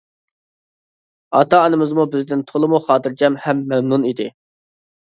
ئاتا-ئانىمىزمۇ بىزدىن تولىمۇ خاتىرجەم ھەم مەمنۇن ئىدى.